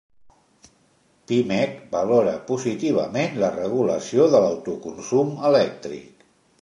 Pimec valora positivament la regulació de l'autoconsum elèctric